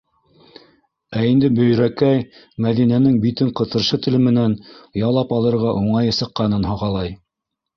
Ә инде Бөйрәкәй Мәҙинәнең битен ҡытыршы теле менән ялап алырға уңайы сыҡҡанын һағалай.